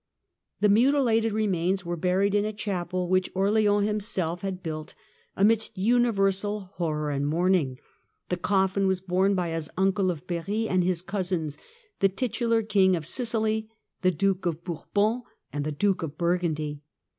The mutilated remains were buried in a chapel, which Orleans himself had built, amidst uni versal horror and mourning. The coffin was borne by his uncle of Berry and his cousins, the titular King of Sicily, the Duke of Bourbon and the Duke of Burgundy.